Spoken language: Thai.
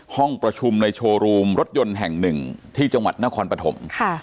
ห้องประชุมในโชว์รูมรถยนต์แห่งหนึ่งที่จังหวัดนครปฐม